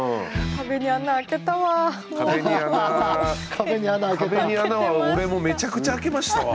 壁に穴は俺もめちゃくちゃ開けましたわ。